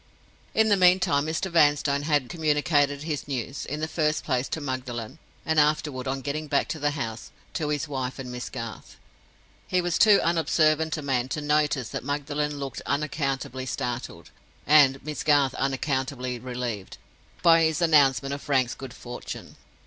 In the meantime, Mr. Vanstone had communicated his news—in the first place, to Magdalen, and afterward, on getting back to the house, to his wife and Miss Garth. He was too unobservant a man to notice that Magdalen looked unaccountably startled, and Miss Garth unaccountably relieved, by his announcement of Frank's good fortune.